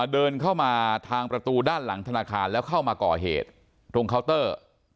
เดินเข้ามาทางประตูด้านหลังธนาคารแล้วเข้ามาก่อเหตุตรงเคาน์เตอร์